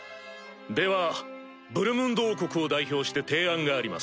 ではブルムンド王国を代表して提案があります。